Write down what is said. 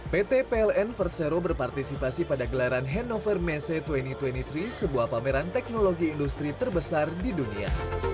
pt pln persero berpartisipasi pada gelaran hannover messe dua ribu dua puluh tiga sebuah pameran teknologi industri terbesar di dunia